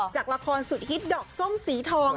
จากละครสุดฮิตดอกส้มสีทอง